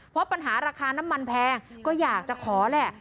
เพราะปัญหาราคาน้ำมันแพงก็อยากจะขอแหละ